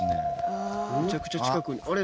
めちゃくちゃ近くにあれ？